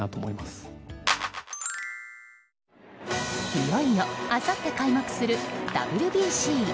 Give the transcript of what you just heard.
いよいよあさって開幕する、ＷＢＣ。